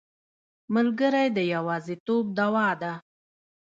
ملګری د یوازیتوب دوا ده.